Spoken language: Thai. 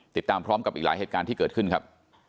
ติดตามพร้อมกับอีกหลายเหตุการณ์ที่เกิดขึ้นครับ